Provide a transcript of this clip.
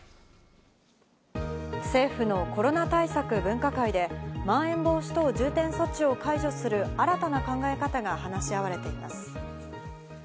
政府のコロナ対策分科会でまん延防止等重点措置を解除する新たな考え方が話し合われています。